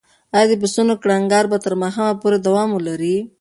ایا د پسونو کړنګار به تر ماښامه پورې دوام ولري؟